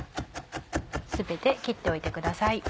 全て切っておいてください。